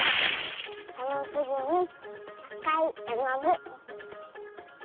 そのつぎにあかいえのぐをちょん。